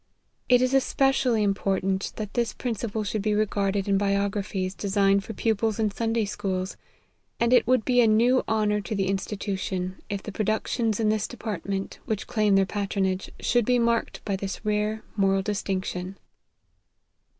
It is especially im portant that this principle should be regarded in biographies designed for pupils in Sunday schools and it would be a new honor to the institution, if the productions in this department, which claim their patronage, should be marked by this rare moral distinction.